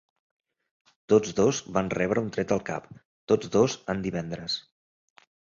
Tots dos van rebre un tret al cap. Tots dos en divendres.